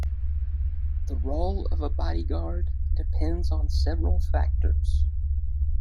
The role of a bodyguard depends on several factors.